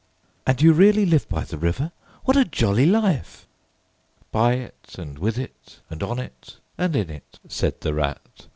"And you really live by the river? What a jolly life!" "By it and with it and on it and in it," said the Rat.